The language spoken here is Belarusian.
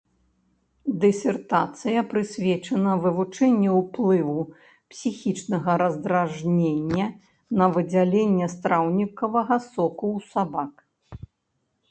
Дысертацыя прысвечана вывучэнню ўплыву псіхічнага раздражнення на выдзяленне страўнікавага соку ў сабак.